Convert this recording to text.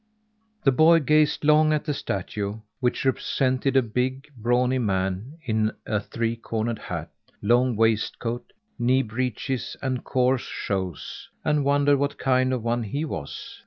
The boy gazed long at the statue, which represented a big, brawny man in a three cornered hat, long waistcoat, knee breeches and coarse shoes, and wondered what kind of a one he was.